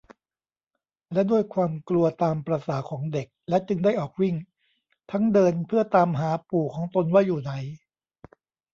และด้วยความกลัวตามประสาของเด็ก และจึงได้ออกวิ่ง ทั้งเดินเพื่อตามหาปู่ของตนว่าอยู่ไหน